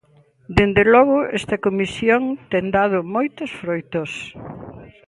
Dende logo, esta comisión ten dado moitos froitos.